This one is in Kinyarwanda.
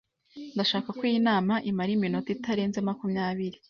Ndashaka ko iyi nama imara iminota itarenze makumyabiri.